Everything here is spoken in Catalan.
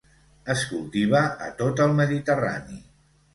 Es cultiva a tot el Mediterrani.